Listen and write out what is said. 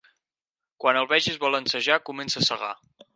Quan el vegis balancejar, comença a segar.